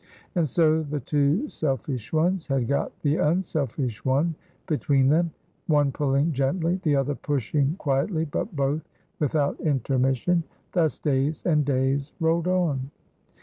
And so the two selfish ones had got the unselfish one between them, one pulling gently, the other pushing quietly, but both without intermission. Thus days and days rolled on.